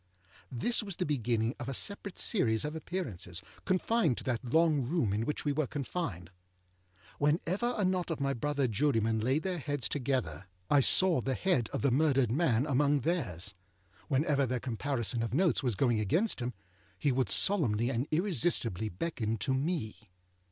This was the beginning of a separate series of appearances, confined to that long room in which we were confined. Whenever a knot of my brother jurymen laid their heads together, I saw the head of the murdered man among theirs. Whenever their comparison of notes was going against him, he would solemnly and irresistibly beckon to me.